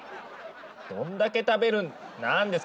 どんだけ食べるんなんですか